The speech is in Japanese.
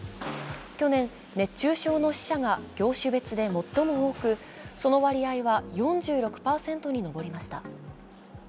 去年、熱中症の死者が業種別で最も多くその割合は４６％に上りました。